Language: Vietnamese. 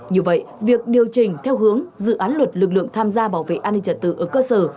như vậy việc điều chỉnh theo hướng dự án luật lực lượng tham gia bảo vệ an ninh trật tự ở cơ sở